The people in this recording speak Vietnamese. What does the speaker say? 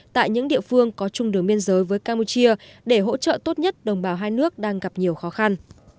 tại những địa phương có chung đường biên giới với campuchia để hỗ trợ tốt nhất đồng bào hai nước đang gặp nhiều khó khăn